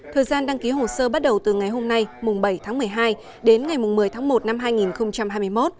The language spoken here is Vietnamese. thời gian đăng ký hồ sơ bắt đầu từ ngày hôm nay mùng bảy tháng một mươi hai đến ngày một mươi tháng một năm hai nghìn hai mươi một